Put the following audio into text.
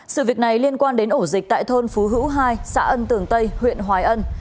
sự việc này liên quan đến ổ dịch tại thôn phú hữu hai xã ân tường tây huyện hoài ân